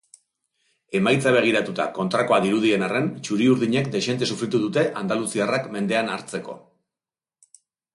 Emaitza begiratuta kontrakoa dirudien arren, txuri-urdinek dexente sufritu dute andaluziarrak mendean hartzeko.